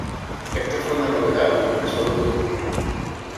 Esto fue una novedad aunque solo duró un día.